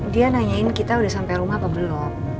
dia nanyain kita udah sampai rumah apa belum